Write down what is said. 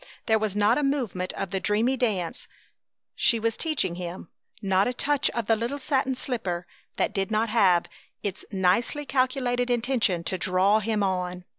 There was not a movement of the dreamy dance she was teaching him, not a touch of the little satin slipper, that did not have its nicely calculated intention to draw him on.